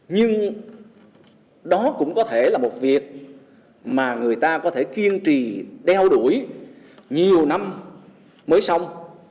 nhưng đó cũng có thể là một việc mà người ta có thể kiên trì đeo đuổi nhiều năm mới xong